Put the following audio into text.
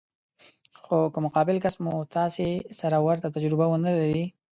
خو که مقابل کس مو تاسې سره ورته تجربه ونه لري.